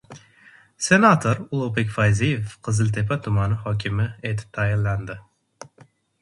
Senator Ulug‘bek Fayziyev Qiziltepa tumani hokimi etib tayinlandi